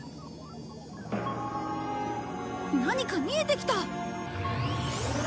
何か見えてきた！